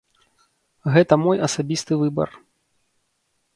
Гэта мой асабісты выбар.